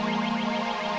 wah udah berhasil